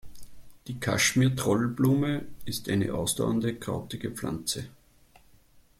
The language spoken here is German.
Die Kaschmir-Trollblume ist eine ausdauernde, krautige Pflanze.